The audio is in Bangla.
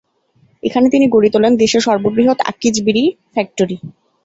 এখানে তিনি গড়ে তোলেন দেশের সর্ববৃহৎ আকিজ বিড়ি ফ্যাক্টরি।